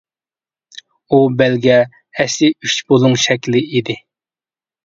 ئۇ بەلگە ئەسلى ئۈچ بۇلۇڭ شەكلى ئىدى.